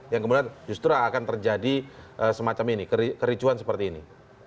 yang kemudian justru akan terjadi semacam ini kericuan seperti ini